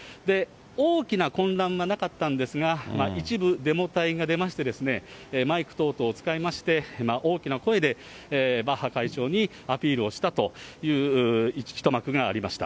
大きな混乱はなかったんですが、一部、デモ隊が出ましてですね、マイク等々を使いまして、大きな声で、バッハ会長にアピールをしたという一幕がありました。